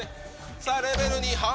さあ、レベル２、ハム。